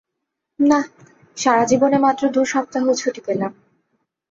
না, সারাজীবনে মাত্র দুসপ্তাহ ছুটি পেলাম।